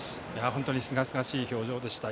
本当にすがすがしい表情でした。